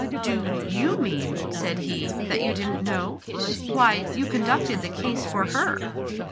" Do you mean," said he, " that you didn't know? Why, you conducted the case for her.''